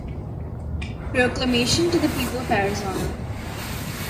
Proclamation to the People of Arizona.